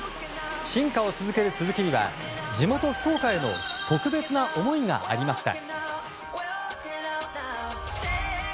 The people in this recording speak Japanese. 進化を続ける鈴木には地元・福岡への特別な思いがありました。